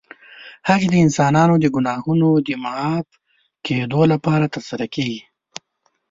حج د انسانانو د ګناهونو د معاف کېدو لپاره ترسره کېږي.